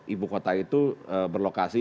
ibu kota itu berlokasi